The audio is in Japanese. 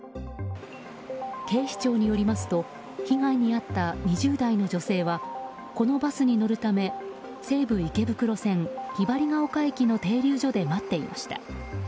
警視庁によりますと被害に遭った２０代の女性はこのバスに乗るため西武池袋線ひばりヶ丘駅の停留所で待っていました。